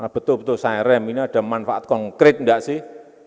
betul betul saya rem ini ada manfaat konkret nggak sih